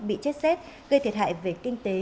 bị chết xét gây thiệt hại về kinh tế